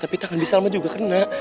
tapi tangan bisa ma juga kena